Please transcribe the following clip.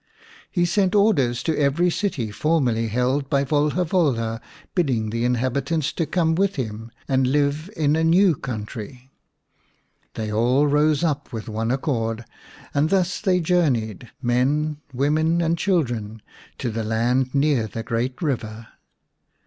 He sent orders to every city formerly held by Volha Volha, bidding the inhabitants come with him and live in a new country. They all rose up with one accord and thus they journeyed, men, women and children, to the land near the great river.